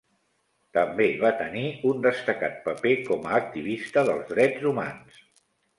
També va tenir un destacat paper com a activista dels drets humans.